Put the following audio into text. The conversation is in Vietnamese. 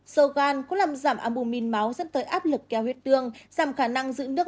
sơ gan có làm giảm albumin máu dẫn tới áp lực kéo huyết tương giảm khả năng giữ nước